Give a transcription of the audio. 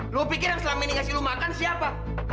lu pikir yang selang ini ngasih lu makan siapa